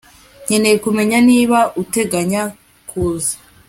Nkeneye kumenya niba uteganya kuza